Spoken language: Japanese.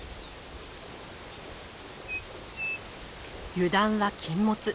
油断は禁物。